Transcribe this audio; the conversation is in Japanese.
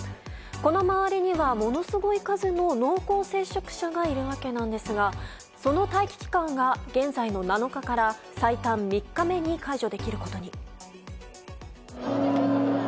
この周りにはものすごい数の濃厚接触者がいるわけですがその待機期間が現在の７日から最短３日目に解除できることに。